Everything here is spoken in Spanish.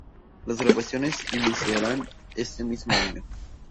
Las grabaciones iniciarán este mismo año.